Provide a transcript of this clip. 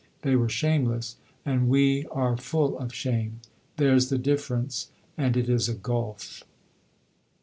They were shameless, and we are full of shame. There's the difference; and it is a gulf.